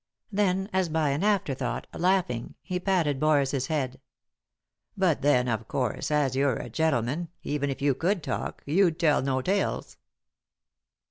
Then, as by an afterthought, laughing, he patted Boris's head. " But then, of course, as you're a gentleman, even if you could talk you'd tell no tales."